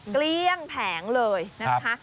เกลี้ยงแผงเลยนะคะ